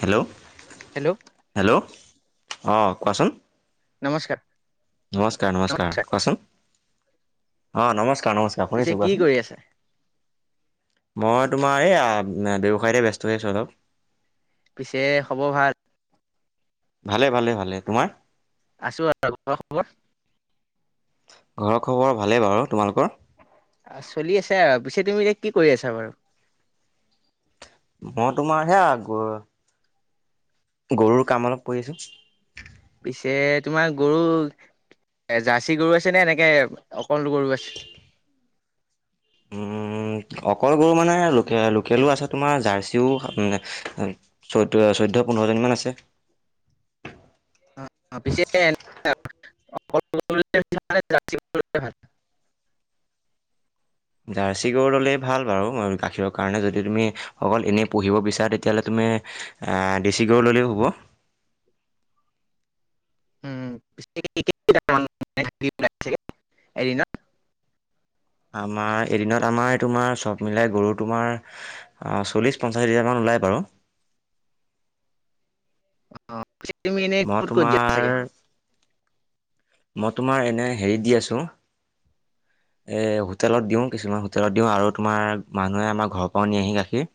Hello, hello hello. অ', কোৱাচোন। নমস্কাৰ। নমস্কাৰ, নমস্কাৰ, কোৱাচোন অ', নমস্কাৰ। অ', নমস্কাৰ, পিছে শুনিছোঁ, কি কোৱাচোন। কৰি আছা মই তোমাৰ এই ব্যৱসায়তে অলপ ব্যস্ত হৈ আছোঁ। পিছে, খবৰ ভাল? ভালে, ভালে, ভালে তোমাৰ? আছো আৰু। ঘৰৰ খবৰ ভালেই বাৰু, তোমালোকৰ? আহ, চলি আছে, আৰু পিছে তুমি এতিয়া কি কৰি আছা বাৰু? মই তোমাৰ সেয়া আকৌ। গৰুৰ কাম অলপ কৰি আছোঁ। পিছে তোমাৰ গৰু? এ জাৰ্চি গৰু আছে নে, এনেকে অকল গৰু আছে? [inaudible] উম, অকল গৰু মানে, লোক-লোকেলো আছে তোমাৰ জাৰ্চিও পোন্ধৰজনীমান আছে। [unintelligible] পিছে [unintelligible] জাৰ্চি গৰু ল'লেই ভাল বাৰু, গাখীৰৰ কাৰণে যদি তুমি অকল এনেই পঢ়িব বিচাৰা তেতিয়াহ'লে তুমি ডেশি গৰু ল'লেও হ'ব [inaudible] এদিনত আমাৰ এদিনত আমাৰ তোমাৰ চব মিলাই গৰু তোমাৰ চল্লিশ পঞ্চাশ হিজাৰ মান ওলাই বাৰু আহ তুমি এনেই মই কত কৰি দিয়া তোমাৰ চাগে মই তোমাৰ এনে হেৰি দি আছো [inaudible] এই হোটেলত দিওঁ কিছুমান হোটেলত দিওঁ আৰু তোমাৰ মানুহে আমাৰ ঘৰৰ পৰাও নি আহি গাখীৰ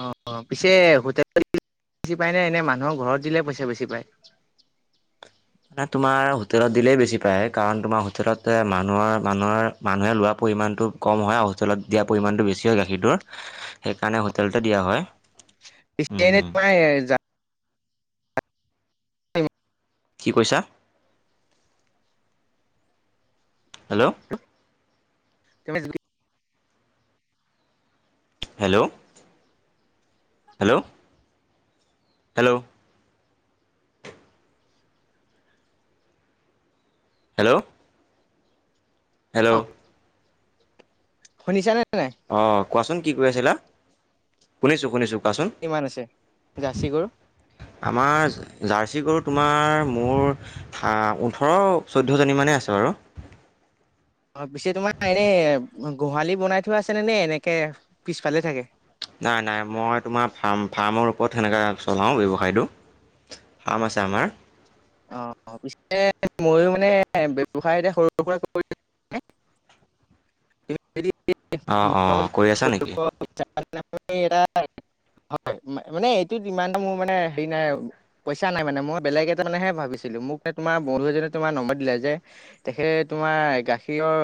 অ পিছে হোটেল বেছি পায়নে এনে মানুহৰ ঘৰত দিলে পইচা বেছি পায় ন তোমাৰ হোটেলত দিলেই বেছি পায় কাৰণ তোমাৰ হোটেলত মানুহৰ মানুহৰ মানুহে লোৱা পৰিমাণ হটো কম হয় আৰু হোটেলত দিয়া পৰিমাণটো বেছি হয় গাখীৰটোৰ, সেইকাৰণে হোটেলতে দিয়া হয়। পি উম এনে উম তোমাই য কি কৈছা? হেল্ল' তমি hello hello hello hello hello শুনিছা নে অ কোৱাচোন কি কৈ আছিলা শুনিছো শুনিছো কোৱাচোন কিমান আছে জাৰ্চি গৰু আমাৰ জাৰ্চি গৰু তোমাৰ মোৰ ওঠৰ চৈধ্যজনীমানেই আছে বাৰু [unintelligible] অ পিছে তোমাৰ এনে গোহালি বনাই থোৱা আছেনেে নে এনেকে পিছফালে থাকে নাই নাই মই তোমাৰ ফ্ম ফাৰ্মৰ ওৰত সেনেকৈ চলাওঁ ব্যৱসায়টো ফাৰ্ম আছে আমাৰ অ' পি ময়ো মানে ব্য্ৱসায় এতিয়া সৰু সুৰা কৰি [inaudible] অ' অ' কৰি আছা নেকি? [inaudible] হয় মানে এইটোত ইমান এটা মোৰ মানে হেৰি নাই পইচা নাই মানে মই বেলেগ এ মানেহে ভাবিছিলো মোক তোমাৰ বন্ধু এজনে তোমাৰ নম্বৰ দিলে যে তেখে তোমাৰ গাখীৰৰ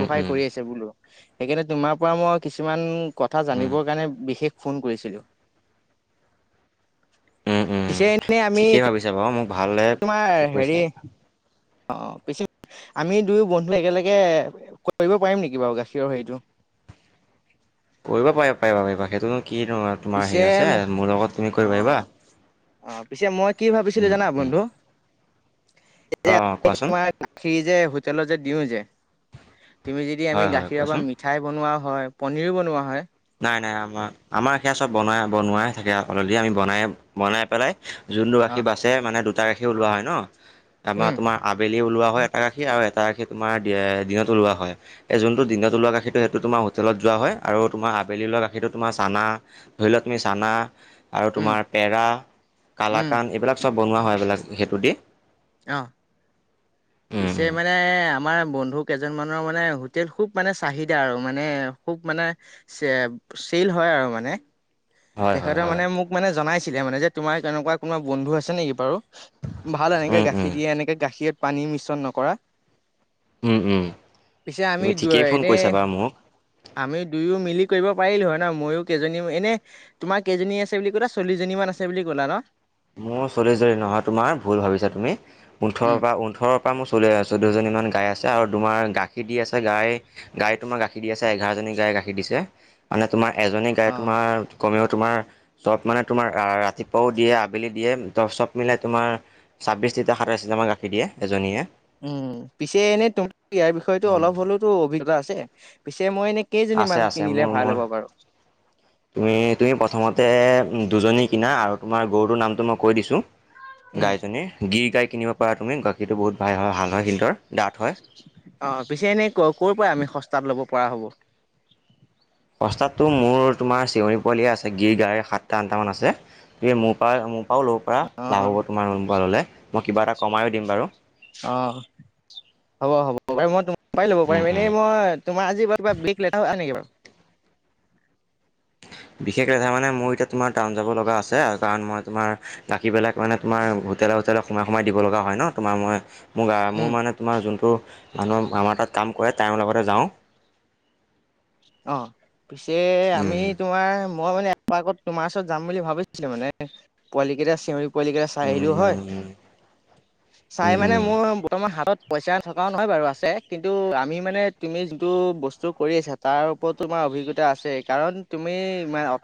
উম উম কৰি আছে বোলো, সেইকাৰণে তোমাৰ পৰা মই কিছুমান ক জান উম কাৰণে বিশেষ ফোন কৰিছিলো। উম উম পিছে এনে আমি ঠিকেই এতি ভাবিছা বাৰু মোক ভালে তোমাৰ হেৰি কৈছা অ' পিছ আমি দুয়ো বন্ধু একেলগে কৰিব পাৰিম নেকি বাৰু গাখীৰৰ হেৰিটো [inaudible] কৰিব পাৰিবা পাৰিবা পাৰিবা সেইটোনো কি তোমাৰ পিছে হেৰি আছে মোৰ লগত তুমি অ কৰিব পাৰিবা। অ' পিছে মই কি ভাবিছিলো উম জানা উম বন্ধু? যে অঁ অঁ কোৱাচোন তোমাৰ গাখীৰ যে হোটেলত যে দিওঁ যে তুমি যদি হয় আমি হয় গাখীৰৰ কোৱাচোন পৰা মিঠাই বনোৱা হয় পনীৰো বনোৱা হয়। নাই নাই আমাৰ আমাৰ সেয়া চব বনাই বনোৱাই থাকে অলৰেড আমি বনাই বনাই পেলাই যোনটো অ গাখীৰ বাচে মানে দুটা গাখী ওলোৱা হয় ন, তাৰপ উম তোমাৰ আবেগ ওলোৱা হয় এটা গাখী আৰু এটা গাখ তোমাৰ দিনত ওলোৱা হয় এই যোনটো দিনত ষতটো সেইটো তোমাৰ হোষ্টেলত যোৱা হয় আৰু তোমাৰ আবেলি লোৱা গাখীৰো তোমাৰ চানা ধৰি লোৱা তুমি চানা আৰু উম তোমাৰ পেৰা উম কালাকান এইবিলাক চব বনোৱা হয় এইবিলাক সেইটোদি। আহ। পিছে উম মানে আমাৰ বন্ধু কেইজন মানৰ মানে হোটেল খুব মানে চাহিদা আৰু মানে খুব মানে চ চেইল হয় আৰু মানে। হয় হয় তেখেতে হয় মানে মোক মানে জনাইছিলে মানে যে তোমাৰ কেনেকুৱা কোনবা বন্ধু আছে নেকি বাৰু? ভাল এনেকে উম উম গাখীৰ দিয়ে এনেকে গাখীৰত পানী মিশ্ৰণ নকৰা। উম উম পিছে আমি তুমি দু ঠিকেই ফোন এনেই কৰিছা বাৰু মোক আমি দুয়ো মিলি কৰিব পাৰিলো হয় ন ময়ো কেইজনী এনে তোমাৰ কেইজনী আছে বুলি ক'লা চল্লিশ জনী মান আছে বুলি ক'লা ন? মোৰ চল্িজনী নহয় তোমাৰ ভুল ভাবিছা তুমি ওঠৰৰ উম পৰা ওঠৰ পৰা মই চলিছ চধ্শ জনী ইমান গাই আছে আৰু তোমাৰ গাখীৰ দি আছে গাই, গাই তোমাৰ গাখীৰ দি আছে এঘাৰজনী গায়ে গাখীৰ দিছে মানে তোমাৰ এজনী গাই তোমাৰ কমেও তোমাৰ চব মানে তোমাৰ ৰাতিপুৱাও দিয়ে আবেলি দিয়ে ত চব মিলাই তোমাৰ ছাব্বিছ লিটাৰ সাতাইছ লিটাৰামাৰ গাখীৰ দিয়ে এজনীয়ে। উম, পিছে এনে তোম ইয়াৰ বিষয়েতো অলপ হলেওতো অভিজ্ঞতা আছে পিছে মই এনে কেইজনী আছে মান আছে কিনিলে মোৰ ভাল মোৰ হ'ব বাৰু? তুমি তুমি প্ৰথমতে দুজনী কিনা আৰু তোমাৰ গৰুটোৰ নামটো মই কৈ দিছো উম গাইজনীৰ গিৰ গাই কিনিব পাৰা তুমি গাখীৰটো বহুত ভাল হাল হয় সিন্দৰ ডাঠ হয়। অ', পিছে এনেই ক ক'ৰ পৰা আমি সস্তাত ল'ব পৰা হ'ব? ৰাস্তাতটো মোৰ তোমাৰ চিউৰী পোৱালি আছে গিৰ গা় সাতটা আঠটামান আছে গ মোৰ পৰা মোৰ পাৰ ল'ব পৰা অ লাভ হ'ব তোমাৰ লোনাললৈ মই কিবা এটা কমাইয়ো দিম বাৰু। অ'। হ'ব হ'ব পাৰি মই তোম পৰাই লব উম পিম উম এনেই মই তোমাৰ আজি বাৰ কিবা বিক লেটা হ নেকি বাৰু? [inaudible] বিশেষ ৰেধা মানে মোৰ এতিয়া তোমাৰ টাউন যাব লগা আছে কাৰণ মই তোমাৰ বাকী বিলাক মানে তোমাৰ হোটেল তপিয়াললে সোমাই সোমাইিব লগা হয় ন তোমাৰ মই মোৰ উম মোৰ মানে তোমাৰ যোনটো মানুহে আমাৰ তাত কাম কৰে টাইমৰ লগতে যাওঁ। অ', পিছে আমি উম তোমাৰ মই মানে এাৰ্গত তোমাৰ ওচৰত যাম বুলি ভাবিছিলো মানে পোৱাল কেইটা চিঞৰি োৱ চাই আহিলো হয়, উম চাই উম মানে মোৰ বৰ্তমান হাতত পইচা নথকাও নহয় বাৰু আছে কিন্তু আমি মানে তুমি যোনটো বস্তু কৰি আছা তাৰ ওপৰতো তোমাৰ অভিজ্ঞতা আছে কাৰণ তুমি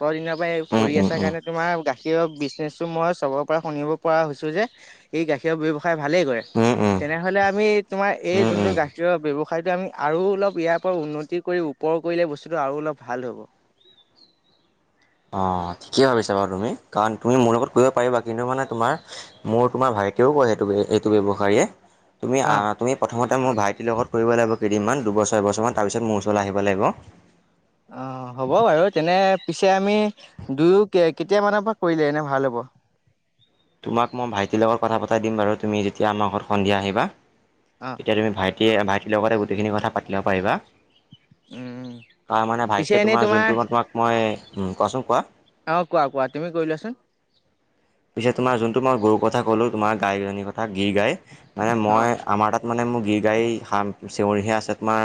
প দিনৰ পৰা উম উম উম কৰি উম উম উম আছাৰ কাৰণে তোমাৰ গা সেই বিশ্নে মই চবৰ পৰা শুনিব পৰা হৈছো যে এই গাখীৰ ব্যৱ ভালে কৰিলা, উম উম তেনেহলে আমি তোমাৰ এই উম যোনটো উম গাখীৰৰ ব্যব ঠাইটো আমি আৰু অলপ ইয়াৰ পৰা উন্নতি কৰি ওপৰ কৰিলে বস্তুটো আৰু অলপ ভাল হ'ব। অ' ঠিকেই ভাবিছা বাৰু তুমি কাৰণ তুমি মোৰ লগত কৰিব পাৰিবা কিন্তু মানে তোমাৰ মোৰ তোমাৰ ভাইেকেও ত [unintelligible] এ মোৰ অ'। ভাইটিৰ লগত কৰিব লাগিব কেইদিনমান দুবছৰবছৰমান তাৰ পিছত মোৰ ওচৰলৈ আহিব লাগিব। অ' হ'ব বাৰু তেনে পিছে আমি দুয়ো কেতিয়ামানৰ পৰা কৰিলে এনে ভাল হ'ব? [inaudible] তোমাক মই ভাইটিৰ লগত কথা পতাই দিম বাৰু তুমি যেতিয়া আমাৰ ঘৰত সন্ধিয়া আহিবা। অ' তেতিয়া তুমি ভাইটিয়ে ভাইটিৰ লগতে গোটেইখিনি কথা পাতিব পাৰিবা। উম ত মানে পিছে ভাইকে এনেই তোমাৰ যোনটো মই তোমাক মই উ, কোৱাচোন কোৱা। অ', কোৱা কোৱা তুমি কৈলোবাচোন। পিছেত তোমাৰ যোনটো মই গৰুৰ কথা কলো তোমাৰ গাইজনীৰ কথা গি গাই মানে মই অ' আমাৰ তাত মানে ম গিৰ গাই়ী চেউৰিহে আছে তোমাৰ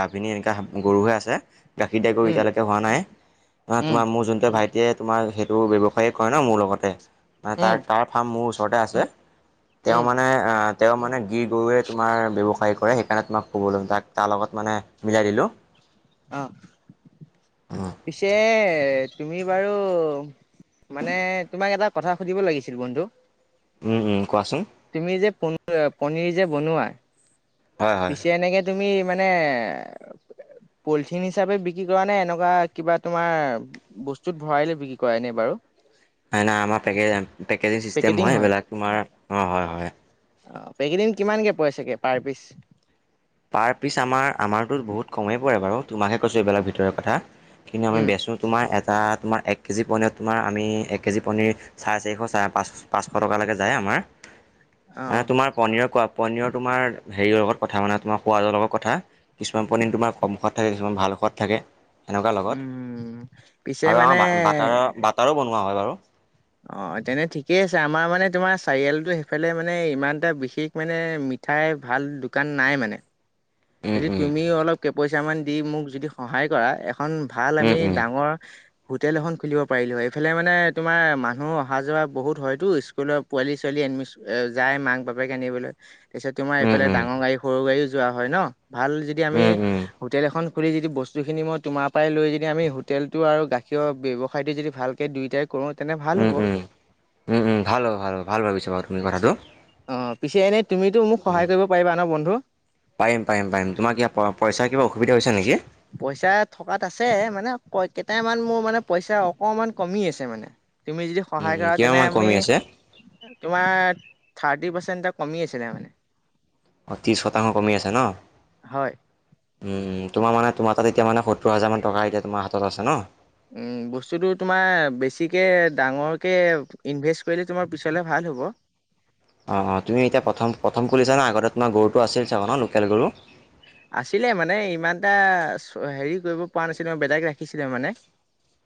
গাভিনী এনেকুৱা গৰুহে আছে গাখীৰ দাই গৰু উম এতিয়ালৈকে হোৱা নাই, নহ উম তোমাৰ মোৰ যোনটো ভাইট তেতিয়াই তোমাৰ সেইটো ব্যৱসায়েই কৰে ন মোৰ লগতে মানে উম তাৰ তাৰ ফাৰ্ম মোৰ ওচৰতে আছে। তেওঁ উম মানে আহ তেওঁ মানে গিৰ গৰুৱে তোমাৰ ব্যৱসায় কৰে সেইকাৰণে তোমাক কুব লম তাক তাৰ লগত মানে মিলাই দিলোঁ। অ' পিছে তুমি বাৰু, মানে তোমাক এটা কথা সুধিব লাগিছিল বন্ধু। উম উম কোৱাচোন। তুমি যে পনিৰ যে বনোৱা। হয় হয় পিছে এনেকে তুমি মানে পলিথিন হিচাপে বিক্ৰী কৰা নাই এনেকুৱা কিবা তোমাৰ বস্তুত ভৰাই লৈ বিক্ৰী কৰা এনে বাৰু। হয় নাই আমাৰেে পেকেজিং চিষ্টেম হয় এইবিলাক তোমাৰ, অ' হয় হয়। অ' পেকিজিং কিমানকে পৰে পিছে পাৰ পিচ? পাৰ তোমাকে কৈছোঁ এইবিলাক ভিতৰুৱা কথা কিন্তু আমি উম বেচোঁ তোমাৰ তা তোমাৰ এক কেজি পনীৰ তোমাৰ আমি এক কেজি পনীৰ চাৰে চাৰিশ চ পাঁচ পাঁচশ টকালৈকে যায়। আমাৰ অ তোমাৰ পনিৰ কোৱা পনীৰৰ তোমাৰ হেৰিৰ লগত কথা মানে তোমাৰ সোৱাদৰ লগত কথা কিছুমান পনীৰ তোমাৰ কম সোৱদ থাকে কিছুমান ভাল সোৱদ থাকে। তেনেকুৱা লগত, উম পিছে আৰু মানে আমাৰ বাটাৰৰ বাটাৰো বনোৱা হয় বাৰু। অ' তেনে ঠিকেই আছে আমাৰ মানে তোমাৰ চাৰিআলটো সেইফালে মানে ইমান এটা বিশেষ মানে মিঠাই ভাল দোকান নাই মানে। উম যদি উম তুমিও অলপ কেপইচা মান দি মোক যদি সহায় কৰা এখন ভাল আমি উম ডাঙৰ হোটেল এখন খুলিব পাৰিলো এইফালে মানে তোমাৰ মানুহ অহা যোৱা বহুত হয়তো স্কুলৰ পোৱালি ছোৱালী যায় মাক বাপেক আনিবলৈ। তাৰপিছত তোমাৰ উম এইফালে উম ডাঙৰ গাড়ী সৰু গাড়ীও যোৱা হয় ন, ভাল যদি আমি উম উম উম হোটেল এখন খুলি যদি বস্তুখিনি মই তোমাৰ পৰাই লৈ যদি আমি হোটেলটো আৰু গাখীৰৰ ব্যৱসায়টো যদি ভালকৈ দুয়োটাই কৰোঁ তেনে ভাল উম হ'ব উম, উম উম ভাল হ'ব ভাল ভাল ভাবিছা বাৰু তুমি কথাটো। অ' পিছে এনেই তুমিতো মোক উম সহায় কৰিব পাৰিবা ন বন্ধু। পাৰিম পাৰিম পাৰিম তোমাৰ কিব পইচাৰ কিব অসুবিধা হৈছে নেকি? পইচা থকাত আছে মানে ক কেইটামান মোৰ মানে পইচা অকমান কমি আছে মানে। তুমি যদি সহায় উম, কৰা কিমান তেনে মান আমি, কমি আছে? তোমাৰ থাৰ্টি পাৰ্চেণ্ট এ কমি আছিলে মানে। অ' ত্ৰিছ শতাংশ কমি আছে ন? হয়। উম তোমাৰ মানে তোমাৰ তাত এতিয়া মানে সত্তৰ হাজাৰ মান টকা এতিয়া তোমাৰ হাতত আছে ন? উম বস্তুটো তোমাৰ বেছিকে ডাঙৰকে ইনভেষ্ট কৰিলে তোমাৰ পিছলে ভাল হ'ব। [inaudible] অ' অ' তুমি এতিয়া প্ৰথম প্ৰথম খুলিছানে আগতে তোমাৰ গৰুটো আছিল চাগে ন লোকেল গৰু? আছিলে মানে ইমান এটা হেৰি কৰিব পৰা নাছিলে মই বেলেগ ৰাখিছিলে মানে।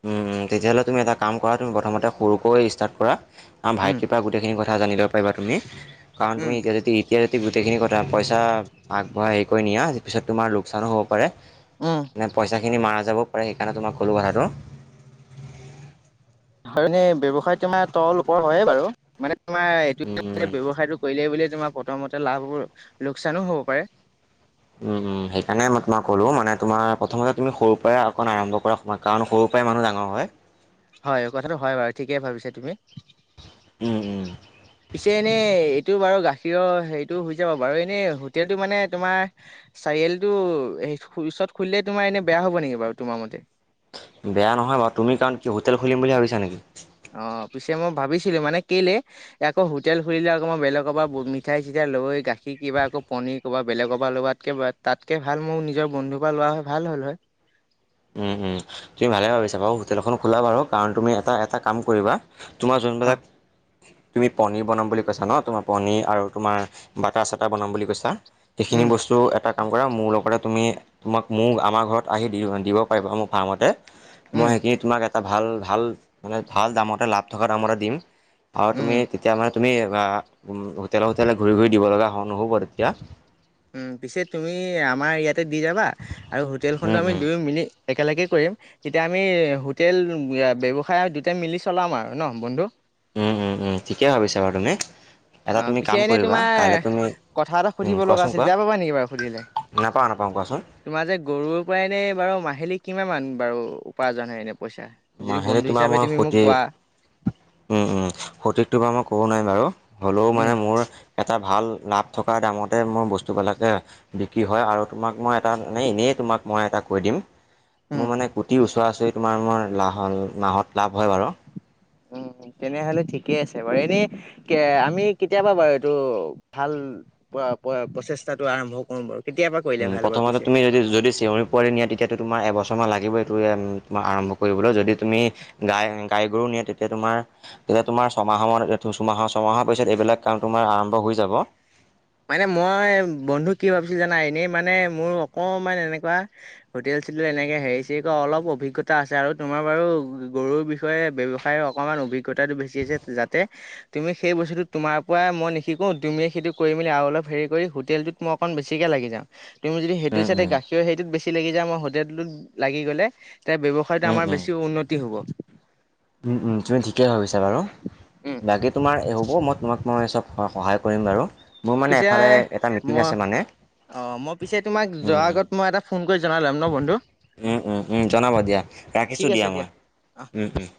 উম তেতিয়াহ'লে তুমি এটা কাম কৰা তুমি প্ৰথমতে সৰুকৈ ষ্টাৰ্ট কৰা উম ভাইটিৰ পৰা গোটেইখিনি কথা কথা জানিব লিব পাৰিবা তুমি কাৰণ উম তুমি এতিয়া যদি এতিয়া যদি গোটেইখিনি কথা পইচা আগবঢ়াই নিয়া পিছত তোমাৰ লোকচানো হ'ব পাৰে। উম পইচা খিনি মাৰা যাব সেই কাৰণে তোমাক কলো কথাটো। কাৰণে ব্যৱসায় তোমাৰ তল ওপক হয়ে বাৰু মানে তোমাৰ এইটো উম ব্যৱসায়টো কৰিলেই বুলি তোমাৰ প্ৰথমতে লাভৰ লোকচানো হ'ব পাৰে। উম উম সেইকাৰণে মই তোমাক কলো মানে তোমাৰ প্ৰথমতে তুমি সৰুৰ পৰাই অকণ আৰম্ভ কৰা সময় কাৰণ সৰু পায়ে মানুহ ডাঙৰ হয়। হয় কথাটো হয় বাৰু ঠিকেই ভাবিছা তুমি। উম উম। পিছে এনেই এইটো বাৰু গাখীৰৰ হেৰিটো হৈ যাব বাৰু এনে হোটেলটো মানে তোমাৰ চাৰিআলটো ওচৰত খুলিলে তোমাৰ এনে বেয়া হব নেকি বাৰু তোমাৰ মতে? বেয়া নহয় বাৰু তুমি কাৰণ কি হোটেল খুলিম বুলি ভাবিছা নেকি? অ' পিছে মই ভাবিছিলো মানে কেলে আকৌ হোটেল খোলিলে আকৌ মই বেলেগৰ পৰা মিঠাই চিঠাই লৈ গাখীৰ কিবা আকৌ পনীৰ ক'ৰবা বেলেগৰ পৰা ল'ব তাতকে তাতকে ভাল মোৰ নিজৰ বন্ধুৰ পৰা লোৱা হয় ভাল। হয়। তুমি ভালে ভাবিছা বাৰু হোটেলখন খোলা বাৰু কাৰণ তুমি এটা এটা কাম কৰিবা। তোমাৰ অ যোনবিলাক তুমি পনীৰ বনাম বুলি কৈছা ন তোমাৰ পনীৰ আৰু তোমাৰ বাটাৰ চটা বনাম বুলি কৈছা। সেইখিনি উম বস্তু এটা কাম কৰা মোৰ লগতে তুমি তোমাক মোৰ আমাৰ ঘৰত আহি দিব। পাৰ মোৰ ফাৰ্মতে, মই উম সেইখিনি তোমাক এটা ভাল ভাল মানে ভাল দামতে লাভ থকা দামতে দিম আৰু উম তুমি তেতিয়া মানে তুমি হোটেললে হোটেলে ঘূৰি ঘূৰি দিব লগা হোৱা নহ'ব তেতিয়া। পিছে তুমি আমাৰ ইয়াতে দি যাবা আৰু উম হোটেলখনতো আমি উম দুই মিনিট একেলগে কৰিম তেতিয়া আমি হোটেল ব্যৱসায় দুটাই মিলি চলাম আৰু ন বন্ধু। উম উম উম ঠিকে ভাবিছা বাৰু তুমি, এটা অ' তুমি পিছে কাম এনেই কৰিবা তোমাৰ কাইলে তুমি কথা এটা উম সুধিব লগা কোৱাচোন আছিল কোৱা বেয়া পাবা নেকি বাৰু সুধিলে? নাপাওঁ নাপাওঁ কোৱাচোন তোমাৰ যে গৰুৰ পৰা এনেই বাৰু মাহিলী কিমান মান বাৰু উপাৰ্জন হয় এনে? পইচা? যদি মাহেলি বন্ধু তোমাৰ হিচাপে মই, তুমি মোক কোৱা সত সঠক তোমাৰ মই ক'ব নাই বাৰু। হ'লেও উম। মানে মোৰ এটা ভাল লাভ থকা দামতে মোৰ বস্তুবিলাকে বিক্ৰী হয় আৰু তোমাক মই াত মানে এনেই তোমাক মই এটা কৈ দিম, উম, মোৰ মানে গুটিৰ ওচৰা ওচৰি তোমাৰ মই লাহন মাহত লাভ হয় বাৰু। [inaudible] তেনেহলে ঠিকে আছে বাৰু এনেই কে আমি কেতিয়াবা বাৰু এইটো ভাল প্ৰচেষ্টাটো আৰম্ভ কৰোম বাৰু। কেতিয়াৰ পৰা কৰিলে উম ভাল হ'ব প্ৰথমতে পিছে? তুমি যদি চেঞৰ পোৱাল নিয়া তেতিয়াতো তোমাৰ এবছ মান লাগিব এইটোম আৰম্ভ কৰিবলৈ যদি তুমি গাই গাই গৰু নিয়ে তেতিয়া তোমাৰ তেতিয়া তোমাৰ ছমাহ ছমাহৰ ছমাহৰ পিছত এইবিলাক কাম তোমাৰ আৰম্ভ হৈ যাব। মানে মই বন্ধু কি ভাবিছো জানা এনেই মানে মোৰ অকমান এনেকুৱা হোটেল আছিলো এনেকে হেৰি চৰিক অলপ অভিজ্ঞতা আছে আৰু তোমাৰ বাৰু গৰুৰ বিষয়ে ব্যৱসায় অকণমান অভিজ্তাটো বেছি আছে, যাতে তুমি সেই বস্তুটো তোমাৰ পৰাই মই নিশিকো তুমি সেইটো কৰি মেলি আৰু অলপ হেৰি কৰি হোটেলটোত মই অকণ বেছিকে লাগি যা তুমি যদি সেইটো উম চা উম গাখিৰৰ হেইটোত বেছি লাগি যায়ই হোটেলত লাগি গ'লে তে ব্যৱসায়টো উম আমাৰ উম বেছি উন্নতি হ'ব। তুমি ঠিকেই ভাবিছা বাৰু, উম বাকী তোমাৰ হ'ব মই তোমাক মই চব সহায় কৰিম বাৰু। মোৰ মানে পিছে এফালে এটা মিটিং মই আছে মানে অ' মই পিছে তোমাক উম যোৱাৰ আগত মই এটা ফোন কৰি জনাল ল'ম ন বন্ধু। জনাব দিয়া ঠিক ৰাখিছোঁ আছে দিয়া অ মই।